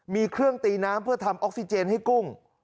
มีเครื่องตีน้ำเพื่อทำออกซิเจนให้กุ้ง